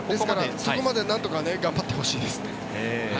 そこまでなんとか頑張ってほしいです。